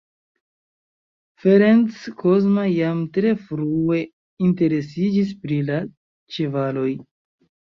Ferenc Kozma jam tre frue interesiĝis pri la ĉevaloj.